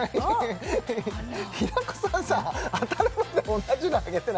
平子さんさ当たるまで同じのあげてないっすか？